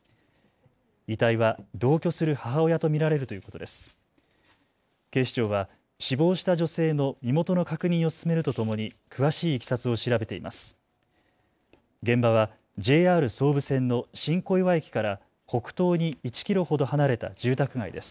遺体は同居する母親と見られるということです。